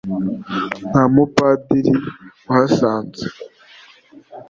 Nta Mupadiri wahasanze?